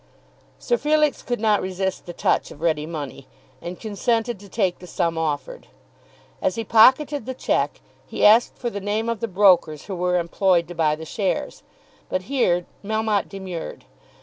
Sir Felix could not resist the touch of ready money, and consented to take the sum offered. As he pocketed the cheque he asked for the name of the brokers who were employed to buy the shares. But here Melmotte demurred.